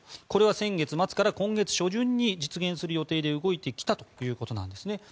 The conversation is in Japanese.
これは先月末から今月初旬に実現する予定で動いてきたということです。